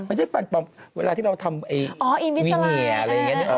ไม่ใช่ฟันปลอมเวลาที่เราทำอีโวินแหมล์